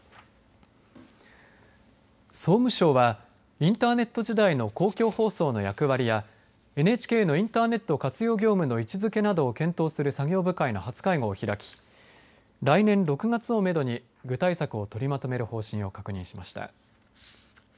総務省はインターネット時代の公共放送の役割やＮＨＫのインターネット活用業務の位置づけなどを検討する作業部会の初会合を開き来年６月をめどに具体策を取りまとめる方針を確認しました。